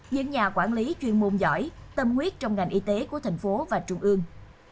những nhà quản lý chuyên môn giỏi tâm huyết trong ngành y tế của thành phố và trung ương